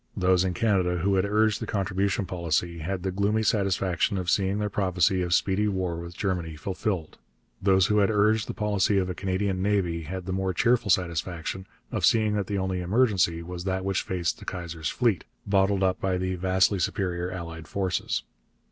Those in Canada who had urged the contribution policy had the gloomy satisfaction of seeing their prophecy of speedy war with Germany fulfilled. Those who had urged the policy of a Canadian navy had the more cheerful satisfaction of seeing that the only 'emergency' was that which faced the Kaiser's fleet, bottled up by the vastly superior allied forces.